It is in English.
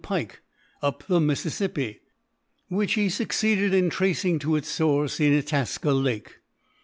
Pike up the Mississippi, which he succeeded in tracing to its source in Itasca Lake.